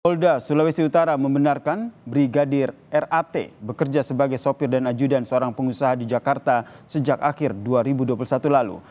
polda sulawesi utara membenarkan brigadir rat bekerja sebagai sopir dan ajudan seorang pengusaha di jakarta sejak akhir dua ribu dua puluh satu lalu